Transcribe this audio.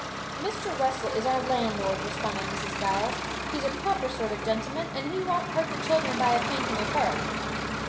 'Mr. Russell is our landlord,' responded Mrs. Giles; 'he's a proper sort o' gentleman, and he won't hurt the child by a paintin' of her.